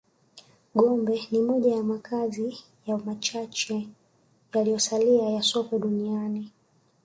Gombe ni moja ya makazi ya machache yaliyosalia ya Sokwe duniani